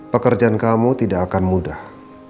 pekerjaan kamu tidak akan mudah